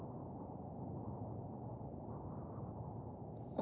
あ。